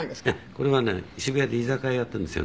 これはね渋谷で居酒屋やっているんですよ